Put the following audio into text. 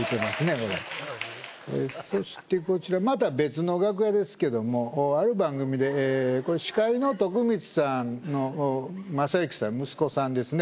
これそしてこちらまた別の楽屋ですけどもある番組でこれ司会の徳光さんの正行さん息子さんですね